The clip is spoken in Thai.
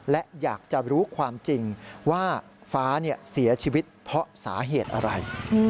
และอยากจะรู้ความจริงว่าฟ้าเสียชีวิตเพราะสาเหตุอะไร